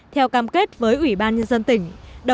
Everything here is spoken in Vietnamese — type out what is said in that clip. theo cam kết với ủy ban nhân dân tỉnh